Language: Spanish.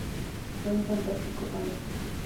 Fue un fantástico padre.